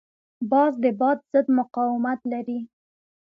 باز د باد ضد مقاومت لري